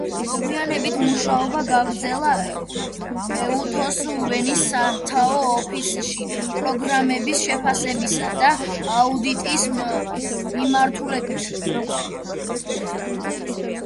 მოგვიანებით, მუშაობა გააგრძელა ეუთოს ვენის სათაო ოფისში პროგრამების შეფასებისა და აუდიტის მიმართულებით.